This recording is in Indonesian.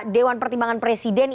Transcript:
dewan pertimbangan presiden